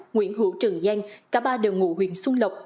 nguyễn hữu trường giang cả ba đều ngụ huyện xuân lộc